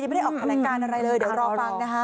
ไม่ได้ออกแถลงการอะไรเลยเดี๋ยวรอฟังนะคะ